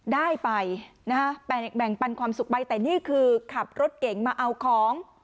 ได้ไปนะฮะแบ่งปันความสุขไปแต่นี่คือขับรถเก๋งมาเอาของ